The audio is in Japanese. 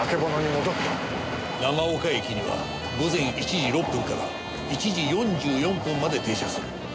長岡駅には午前１時６分から１時４４分まで停車する。